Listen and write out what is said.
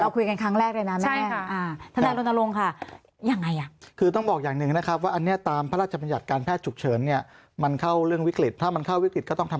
ก็คือวันเกิดเหตุนะคะใช่ค่ะวันเกิดเหตุ